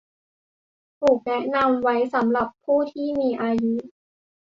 ถูกแนะนำไว้สำหรับผู้ที่มีอายุ